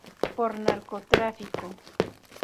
Por narcotráfico.